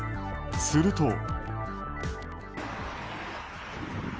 すると。